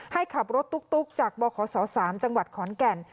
ให้ขับรถตุ๊กจากบขศ๓จังหวัดขอนแก่น